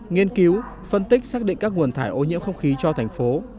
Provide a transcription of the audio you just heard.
nghiên cứu phân tích xác định các nguồn thải ô nhiễm không khí cho thành phố